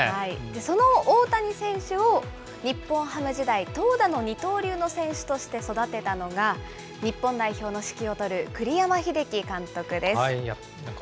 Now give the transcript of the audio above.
その大谷選手を日本ハム時代、投打の二刀流の選手として育てたのが、日本代表の指揮を執る栗山英樹監督です。